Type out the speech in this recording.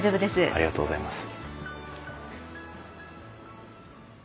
ありがとうございます。